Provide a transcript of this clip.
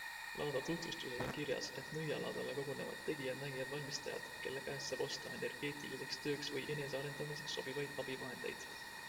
Laada tutvustuses on kirjas, et Nõialaadale kogunevad tegijad-nägijad-valmistajad, kelle käest saab osta energeetiliseks tööks või enese arendamiseks sobivaid abivahendeid.